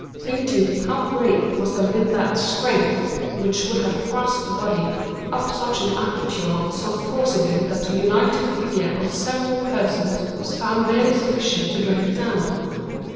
Think, too, how great must have been that strength which could have thrust the body up such an aperture so forcibly that the united vigor of several persons was found barely sufficient to drag it _down!